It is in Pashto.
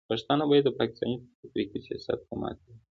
پښتانه باید د پاکستان د تفرقې سیاست ته ماتې ورکړي.